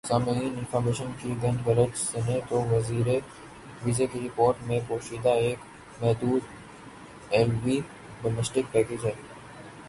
سامعین انفارمیشن کی گھن گرج سنیں تو ویزے کی رپورٹ میں پوشیدہ ایک محدود ایل وی ڈومیسٹک پیکج ہے